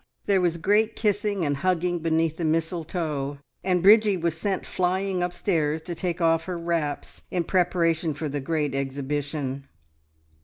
There was great kissing and hugging beneath the mistletoe, and Bridgie was sent flying upstairs to take off her wraps, in preparation for the great exhibition.